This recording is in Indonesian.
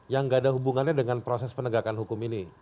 yang gak ada hubungannya dengan proses penegakan hukum ini